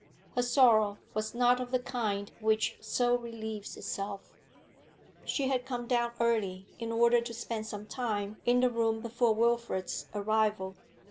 Her sorrow was not of the kind which so relieves itself. She had come down early, in order to spend some time in the room before Wilfrid's arrival.